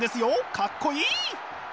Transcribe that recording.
かっこいい！